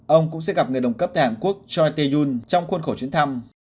ông cũng sẽ gặp người đồng cấp tại hàn quốc choi tae yoon trong khuôn khổ chuyến thăm